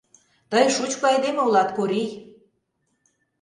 Тый шучко айдеме улат, Корий!